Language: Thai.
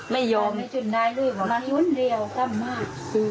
ไม่โยมมันหยุ่นเรียวกันมาก